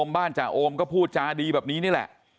บ้านจ่าโอมก็พูดจาดีแบบนี้นี่แหละ